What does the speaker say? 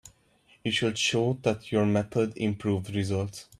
You should show that your method improves results.